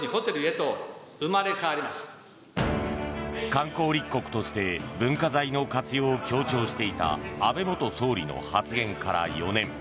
観光立国として文化財の活用を強調していた安倍元総理の発言から４年。